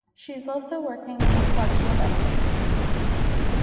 She is also working on a collection of essays.